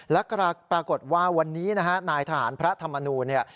และกำลังปรากฏว่าวันนี้นายทหารพระธรรมนูนี่